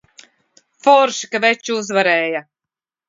Forši, ka veči uzvarēja!